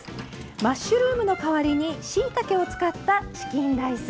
マッシュルームの代わりにしいたけを使ったチキンライス。